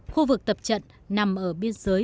khu vực tập trận nằm ở biên giới